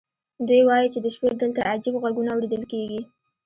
دوی وایي چې د شپې دلته عجیب غږونه اورېدل کېږي.